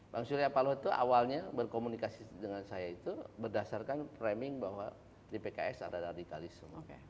bang surya paloh itu awalnya berkomunikasi dengan saya itu berdasarkan framing bahwa di pks ada radikalisme